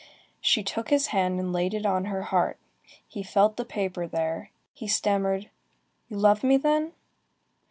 She took his hand and laid it on her heart. He felt the paper there, he stammered:— "You love me, then?"